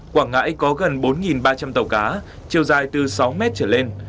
quảng ngãi có gần bốn ba trăm linh tàu cá chiều dài từ sáu mét trở lên